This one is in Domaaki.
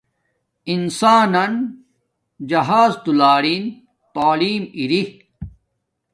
انسان نس جہاز دولارین تعلیم اری